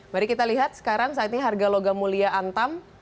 mari kita lihat sekarang saat ini harga logam mulia antam